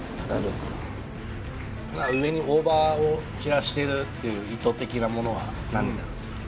上に大葉を散らしているという意図的なものは何になるんですか？